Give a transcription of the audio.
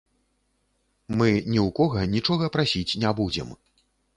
Мы ні ў кога нічога прасіць не будзем.